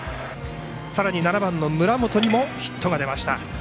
さらに７番の村本にもヒットが出ました。